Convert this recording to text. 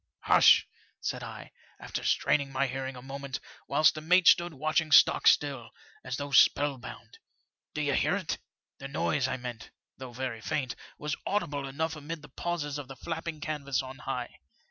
*''Hush!' said I, after straining my hearing a moment, whilst the mate stood watching stockstill, as though spell bound. * Do you hear it ?'" The noise I meant, though very faint, was audible enough amid the pauses of the flapping canvas on high.